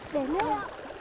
để nữa ạ